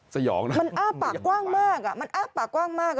สยองนะมันอ้าปากกว้างมากมันอ้าปากกว้างมาก